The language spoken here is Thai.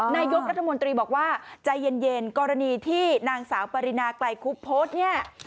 นายกรัฐมนตรีบอกว่าใจเย็นกรณีที่นางสาวปรินาไกลคุบโพสต์เนี่ย